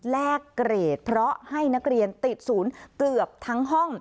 แลกเกรดเพราะให้นักเรียนติดศูนย์เกือบทั้งห้อง